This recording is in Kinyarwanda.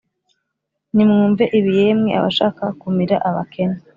Nimwumve ibi yemwe abashaka kumira abakene